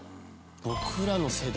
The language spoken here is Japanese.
僕らの世代